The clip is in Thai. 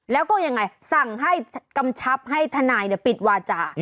แล้วก็ยังไงสั่งให้กำชับให้ทนายปิดวาจา